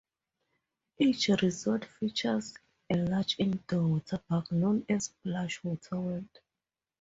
Each resort features a large indoor waterpark known as Splash Waterworld.